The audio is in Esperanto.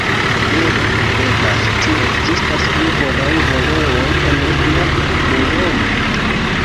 Diru, mi petas, ĉu ekzistas ankoraŭ herooj en via Muromo?